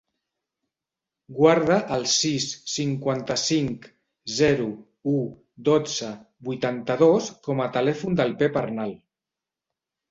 Guarda el sis, cinquanta-cinc, zero, u, dotze, vuitanta-dos com a telèfon del Pep Arnal.